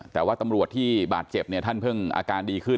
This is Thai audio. แต่ว่าตำรวจที่บาดเจ็บเนี่ยท่านเพิ่งอาการดีขึ้น